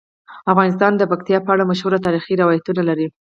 افغانستان د پکتیا په اړه مشهور تاریخی روایتونه لري.